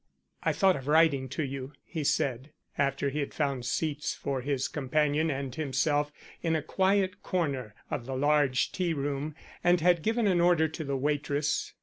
"I thought of writing to you," he said after he had found seats for his companion and himself in a quiet corner of the large tea room and had given an order to the waitress.